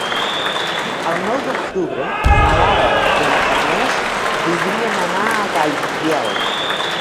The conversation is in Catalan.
El nou d'octubre na Lara i na Farners voldrien anar a Gaibiel.